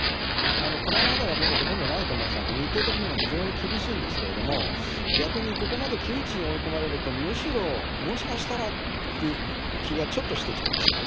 これまでは僕、ほとんどないと思ってたんです、日程的にも非常に厳しいんですけれども、逆にここまで窮地に追い込まれると、むしろ、もしかしたらっていう気がちょっとしてきてますね。